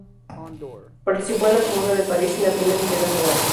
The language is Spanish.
Participó en la Comuna de París y en la Primera Internacional.